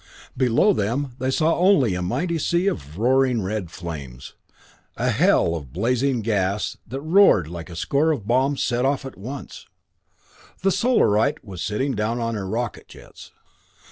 Below them they saw only a mighty sea of roaring red flames a hell of blazing gas that roared like a score of bombs set off at once. The Solarite was sitting down on her rocket jets!